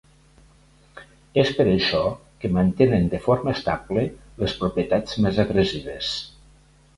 És per això que mantenen de forma estable les propietats més agressives.